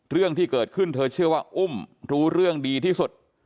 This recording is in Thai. เรื่องที่เกิดขึ้นเธอเชื่อว่าอุ้มรู้เรื่องดีที่สุด